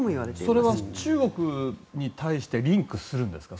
それは中国に対してリンクするんですか？